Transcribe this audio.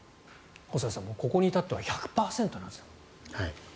細谷さん、ここにいたっては１００％なんですね。